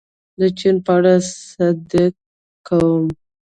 د چین په اړه صدق کوي.